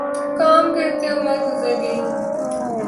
کام کرتے عمر گزر گئی